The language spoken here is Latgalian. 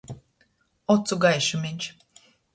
Ocu gaišumeņš!